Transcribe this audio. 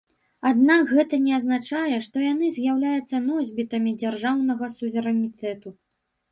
Аднак гэта не азначае, што яны з'яўляюцца носьбітамі дзяржаўнага суверэнітэту.